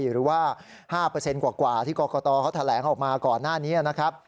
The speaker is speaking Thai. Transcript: หรือว่า๕กว่าที่กรกตเขาแถลงออกมาก่อนหน้านี้นะครับ